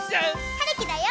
はるきだよ！